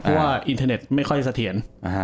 เพราะว่าอินเทอร์เน็ตไม่ค่อยเสถียร